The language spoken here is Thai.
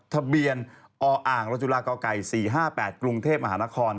ทะเบียนออ่างรจุฬากไก่๔๕๘กรุงเทพมหานคร